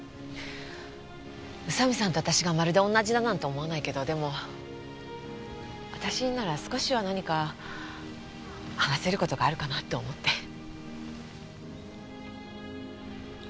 宇佐見さんと私がまるで同じだなんて思わないけどでも私になら少しは何か話せる事があるかなと思って。